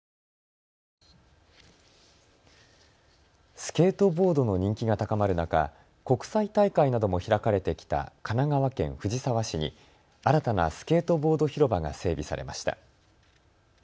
スケートボードの人気が高まる中、国際大会なども開かれてきた神奈川県藤沢市に新たなスケートボード広場が整備されました。